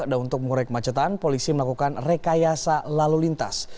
dan untuk mengurangi kemacetan polisi melakukan rekayasa lalu lintas